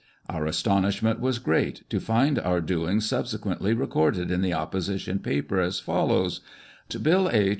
Our astonishment was great, to find our doings subse quently recorded in the opposition paper as follows :" Bill H.